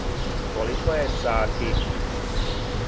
Колико је сати?